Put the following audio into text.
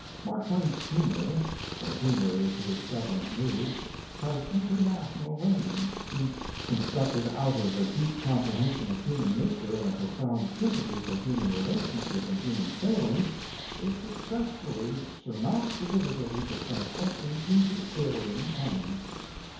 Mark Twain's humour for humour is his prevalent mood has international range since, constructed out of a deep comprehension of human nature and a profound sympathy for human relationship and human failing, it successfully surmounts the difficulties of translation into alien tongues.